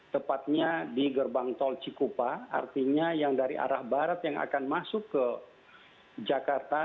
tepatnya di gerbang tol cikupa artinya yang dari arah barat yang akan masuk ke jakarta